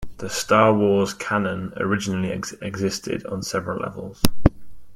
The "Star Wars" canon originally existed on several levels.